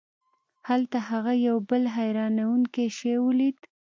هلته هغه یو بل حیرانوونکی شی ولید.